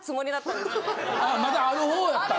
まだあるほうやったんや。